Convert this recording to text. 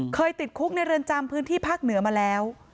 ติดคุกในเรือนจำพื้นที่ภาคเหนือมาแล้ว